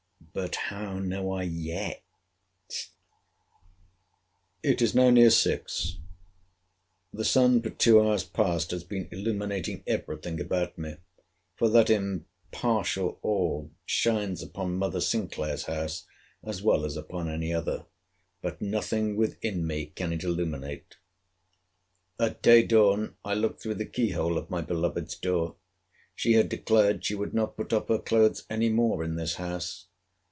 But how know I yet—— It is now near six—the sun for two hours past has been illuminating every thing about me: for that impartial orb shines upon Mother Sinclair's house as well as upon any other: but nothing within me can it illuminate. At day dawn I looked through the key hole of my beloved's door. She had declared she would not put off her clothes any more in this house.